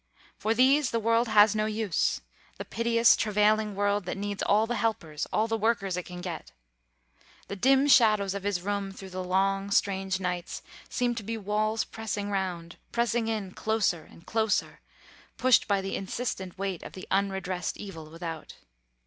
For these the world has no use; the piteous, travailing world that needs all the helpers, all the workers it can get. The dim shadows of his room through the long, strange nights seemed to be walls pressing round, pressing in closer and closer, pushed by the insistent weight of the unredressed evil without.